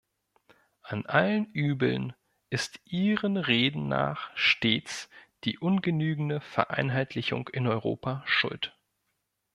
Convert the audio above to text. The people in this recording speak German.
An allen Übeln ist Ihren Reden nach stets die ungenügende Vereinheitlichung in Europa schuld.